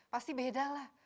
pasti beda lah